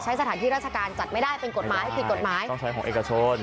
สถานที่ราชการจัดไม่ได้เป็นกฎหมายผิดกฎหมายต้องใช้ของเอกชน